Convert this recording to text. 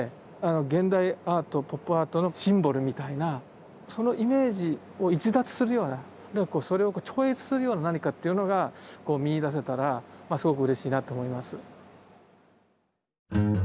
現代アートポップアートのシンボルみたいなそのイメージを逸脱するようなあるいはそれを超越するような何かっていうのが見いだせたらすごくうれしいなと思います。